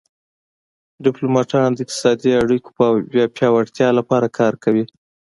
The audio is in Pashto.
ډیپلومات د اقتصادي اړیکو پیاوړتیا لپاره کار کوي